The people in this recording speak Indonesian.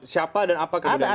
siapa dan apa kemudiannya